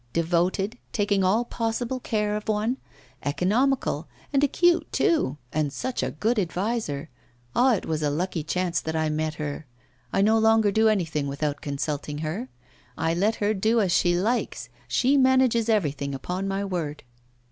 Devoted, taking all possible care of one, economical, and acute, too, and such a good adviser! Ah! it was a lucky chance that I met her! I no longer do anything without consulting her; I let her do as she likes; she manages everything, upon my word.